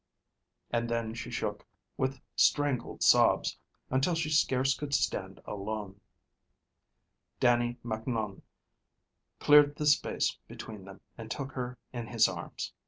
And then she shook with strangled sobs until she scarce could stand alone. Dannie Macnoun cleared the space between them and took her in his arms.